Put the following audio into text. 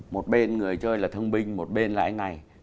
một bên người chơi là thông minh một bên là anh này